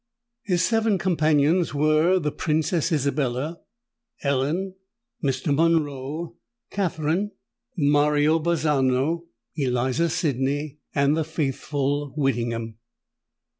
His seven companions were the Princess Isabella, Ellen, Mr. Monroe, Katherine, Mario Bazzano, Eliza Sydney, and the faithful Whittingham.